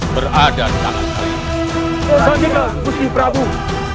berada di tangan kalian